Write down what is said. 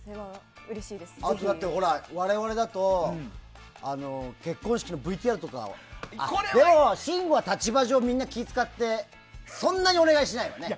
あと、我々だと結婚式のＶＴＲとか。信五は立場上、みんな気を使ってそんなにお願いしないよね。